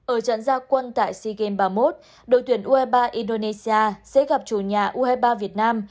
ở trận gia quân tại sea games ba mươi một đội tuyển ue ba indonesia sẽ gặp chủ nhà ue ba việt nam